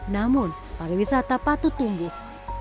namun para wisata patut tumbuh